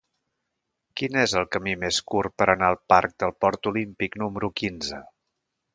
Quin és el camí més curt per anar al parc del Port Olímpic número quinze?